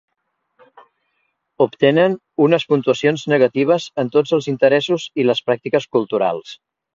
Obtenen unes puntuacions negatives en tots els interessos i les pràctiques culturals.